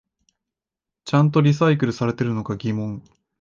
ちゃんとリサイクルされてるのか疑問